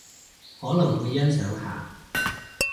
可能會欣賞下